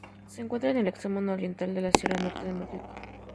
Se encuentra en el extremo nororiental de la Sierra Norte de Madrid.